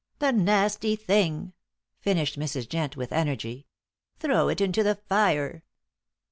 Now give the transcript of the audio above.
The nasty thing!" finished Mrs. Jent with energy. "Throw it into the fire."